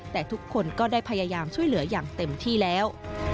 แต่ทุกคนก็ได้พยายามช่วยเหลืออย่างเต็มที่แล้ว